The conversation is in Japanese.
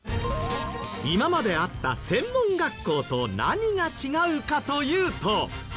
今まであった専門学校と何が違うかというと。